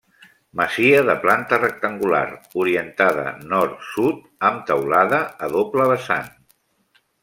Masia de planta rectangular, orientada nord- sud, amb teulada a doble vessant.